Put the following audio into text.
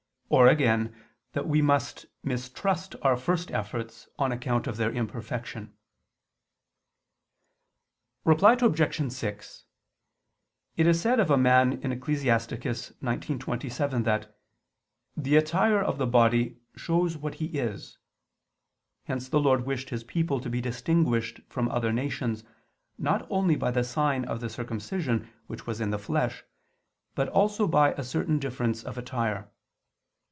Or again, that we must mistrust our first efforts, on account of their imperfection. Reply Obj. 6: It is said of a man in Ecclus. 19:27, that "the attire of the body ..." shows "what he is." Hence the Lord wished His people to be distinguished from other nations, not only by the sign of the circumcision, which was in the flesh, but also by a certain difference of attire.